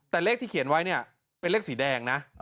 แต่เลขที่เขียนไว้เนี่ยเป็นเลขสีแดงนะ